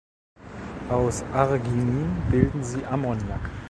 Aus Arginin bilden sie Ammoniak.